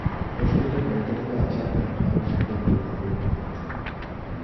Posteriormente fue a Charterhouse donde el problema aumentó.